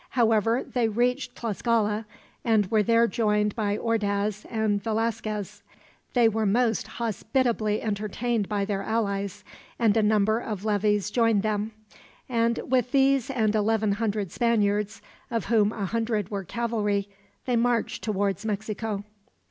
However, they reached Tlascala, and were there joined by Ordaz and Velasquez. They were most hospitably entertained by their allies, and a number of levies joined them; and with these and eleven hundred Spaniards, of whom a hundred were cavalry, they marched towards Mexico.